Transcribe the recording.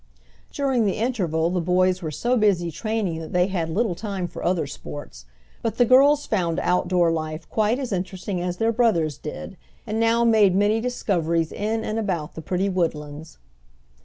During the interval the boys were so busy training that they had little time for other sports, but the girls found out door life quite as interesting as their brothers did, and now made many discoveries in and about the pretty woodlands.